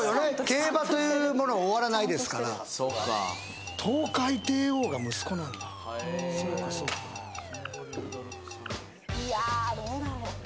競馬というものは終わらないですからそうかトウカイテイオーが息子なんだそうかそうかいやどうだろう